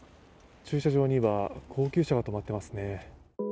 駐車場には高級車が止まっていますね。